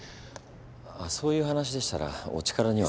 あっそういう話でしたらお力には。